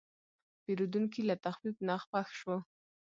پیرودونکی له تخفیف نه خوښ شو.